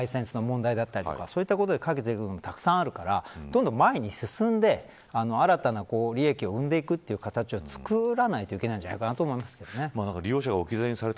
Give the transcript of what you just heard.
ライセンスの問題だったりとかそういうことで解決できるものがたくさんあるからどんどん前に進んで新たな利益を生んでいくという形を作らないといけないんじゃないかなと思いますけどね。